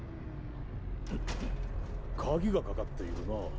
・んっ鍵がかかっているな。